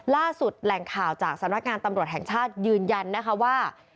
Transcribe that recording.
ล่าสุดแหลงข่าวจากสตรการตำรวจแห่งชาติยืนยันนะคะว่า